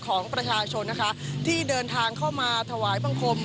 ของประชาชนนะคะที่เดินทางเข้ามาถวายบังคม